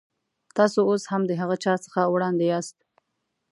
تاسو اوس هم د هغه چا څخه وړاندې یاست.